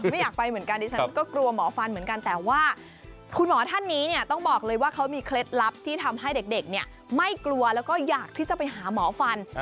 ไม่อยากไปเหมือนกันดิฉันก็กลัวหมอฟันเหมือนกันแต่ว่าคุณหมอท่านนี้เนี่ยต้องบอกเลยว่าเขามีเคล็ดลับที่ทำให้เด็กเนี่ยไม่กลัวแล้วก็อยากที่จะไปหาหมอฟัน